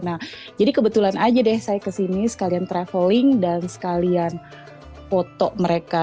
nah jadi kebetulan aja deh saya kesini sekalian traveling dan sekalian foto mereka